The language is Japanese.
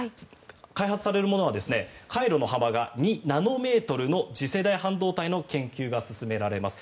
開発されるものは回路の幅が２ナノメートルの次世代半導体の研究が進められます。